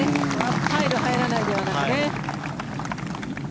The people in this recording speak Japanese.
入る入らないではなくね。